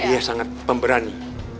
dia sangat pemberani